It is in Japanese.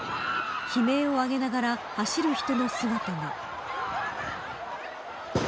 悲鳴を上げながら走る人の姿も。